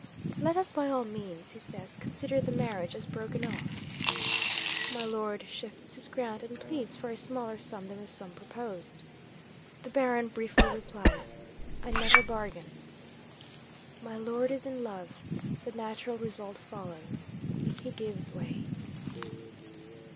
"Let us by all means" (he says) "consider the marriage as broken off." My Lord shifts his ground, and pleads for a smaller sum than the sum proposed. The Baron briefly replies, "I never bargain." My lord is in love; the natural result follows he gives way.